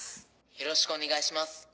よろしくお願いします。